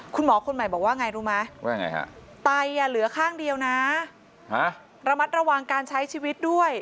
คุณหมอคนใหม่บอกว่าไงรู้ไหมว่าไงฮะไตเหลือข้างเดียวนะระมัดระวังการใช้ชีวิตด้วย